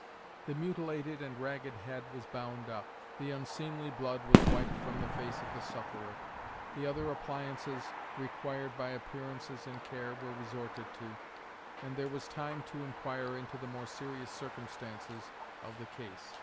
The mutilated and ragged head was bound up, the unseemly blood was wiped from the face of the sufferer, the other appliances required by appearances and care were resorted to, and there was time to enquire into the more serious circumstances of the case.